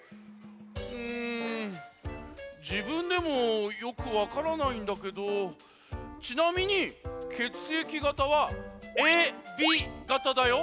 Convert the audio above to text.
うんじぶんでもよくわからないんだけどちなみにけつえきがたはほら！